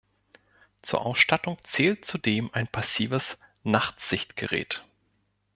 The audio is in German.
Zur Ausstattung zählt zudem ein passives Nachtsichtgerät.